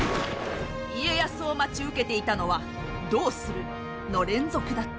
家康を待ち受けていたのは「どうする？」の連続だった。